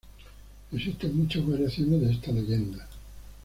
Existen muchas variaciones de esta leyenda.